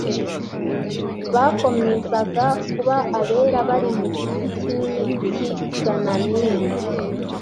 bakomezaga kuba abera bari mu giti kinini cy i sananimu